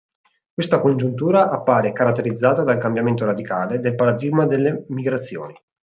Questa congiuntura appare caratterizzata dal cambiamento radicale del paradigma delle migrazioni.